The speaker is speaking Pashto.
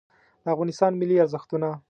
د افغانستان ملي ارزښتونه